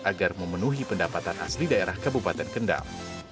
agar memenuhi pendapatan asli daerah kabupaten kendal